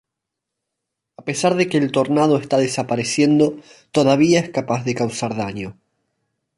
A pesar de que el tornado está desapareciendo, todavía es capaz de causar daño.